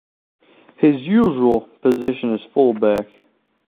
His usual position is full back.